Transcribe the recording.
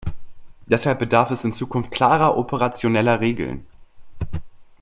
Deshalb bedarf es in Zukunft klarer operationeller Regeln.